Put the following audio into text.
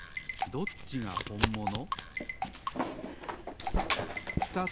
どっちがほんもの？